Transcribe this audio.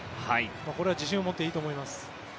これは自信を持っていいと思います。